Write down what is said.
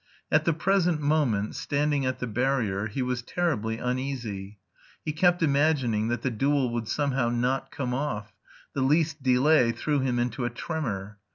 At the present moment, standing at the barrier, he was terribly uneasy. He kept imagining that the duel would somehow not come off; the least delay threw him into a tremor.